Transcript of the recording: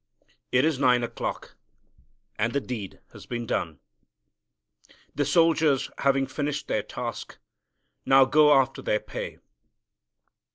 It is nine o'clock, and the deed has been done. The soldiers, having finished their task, now go after their pay.